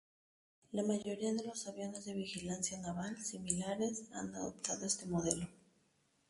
La mayoría de los aviones de vigilancia naval similares han adoptado este modelo.